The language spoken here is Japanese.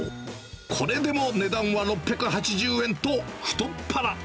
これでも値段は６８０円と、太っ腹。